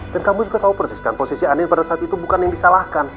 dan kamu juga tahu persis kan posisi andin pada saat itu bukan yang disalahkan